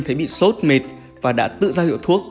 thấy bị sốt mệt và đã tự ra hiệu thuốc